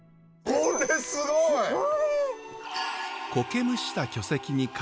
これはすごいわ。